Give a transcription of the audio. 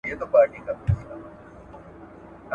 دى روغ رمټ دی لېونى نـه دئ